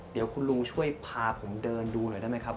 เดี๋ยวคุณลุงช่วยพาผมเดินดูหน่อยได้ไหมครับ